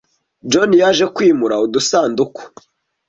John yaje kwimura udusanduku.